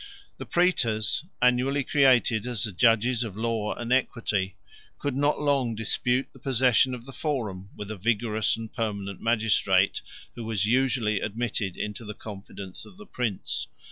The prætors, annually created as the judges of law and equity, could not long dispute the possession of the Forum with a vigorous and permanent magistrate, who was usually admitted into the confidence of the prince.